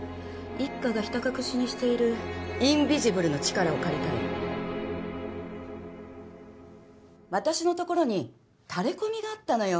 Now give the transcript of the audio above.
一課がひた隠しにしているインビジブルの力を借りたいの私のところにタレコミがあったのよ